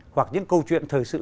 hoặc những câu chuyện thời sự